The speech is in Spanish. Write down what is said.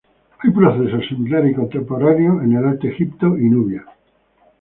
Hay procesos similares y contemporáneos en el Alto Egipto y Nubia.